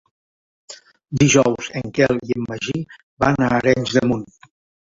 Dijous en Quel i en Magí van a Arenys de Munt.